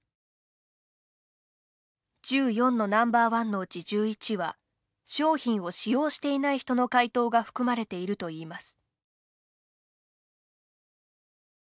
１４のＮｏ．１のうち１１は商品を使用していない人の回答が含まれているといいます。